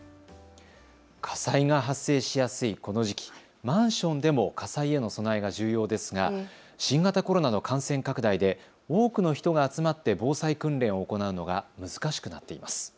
火災が発生しやすいこの時期、マンションでも火災への備えが重要ですが新型コロナの感染拡大で多くの人が集まって防災訓練を行うのが難しくなっています。